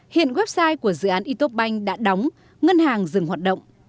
hiện website của dự án e top bank đã đóng ngân hàng dừng hoạt động